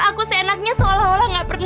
aku gak kenal sama kamu yang sekarang